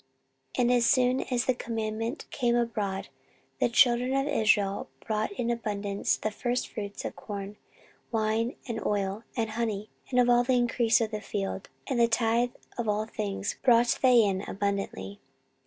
14:031:005 And as soon as the commandment came abroad, the children of Israel brought in abundance the firstfruits of corn, wine, and oil, and honey, and of all the increase of the field; and the tithe of all things brought they in abundantly.